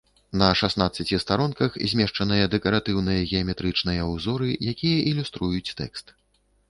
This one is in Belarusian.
На шаснаццаці старонках змешчаныя дэкаратыўныя геаметрычныя ўзоры, якія ілюструюць тэкст.